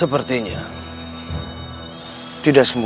aku akan mengwakkasimu